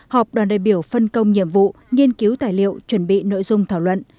họp đoàn đại biểu phân công nhiệm vụ nghiên cứu tài liệu chuẩn bị nội dung thảo luận